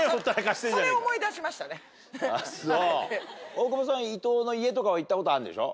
大久保さんいとうの家とかは行ったことあるんでしょ？